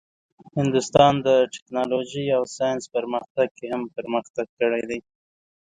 هندوستان د ټیکنالوژۍ او ساینسي پرمختګ کې هم پرمختګ کړی دی.